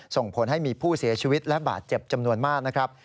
ส่งผลให้มีผู้เสียชีวิตและบาดเจ็บจำนวนมากนะครับ